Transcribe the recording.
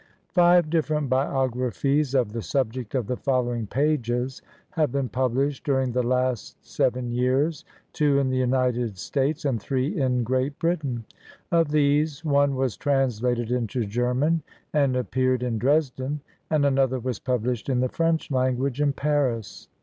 Five different biographies of the subject of the following pages have been published, during the last seven rears. — two in the United States and three in Great Britain. Of these, one was translated into German, and appeared in Dresden, and another was published in the French language in Paris.